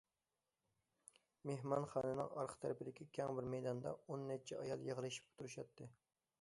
مېھمانخانىنىڭ ئارقا تەرىپىدىكى كەڭ بىر مەيداندا ئون نەچچە ئايال يىغىلىشىپ تۇرۇشاتتى.